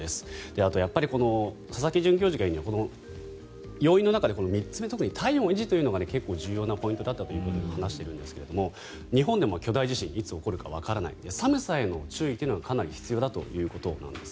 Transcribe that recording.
あと、やっぱり佐々木准教授が言うには要因の中で３つ目特に体温を維持というのが重要なポイントだと話しているんですが日本でも巨大地震いつ起こるかわからない寒さへの注意というのがかなり必要だということです。